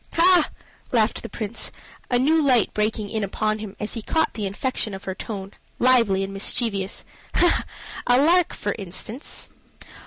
"Ha!" laughed the prince, a new light breaking in upon him as he caught the infection of her tone, lively and mischievous. "Ha! ha! a lark, for instance?"